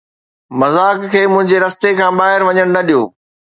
مذاق کي منهنجي رستي کان ٻاهر وڃڻ نه ڏيو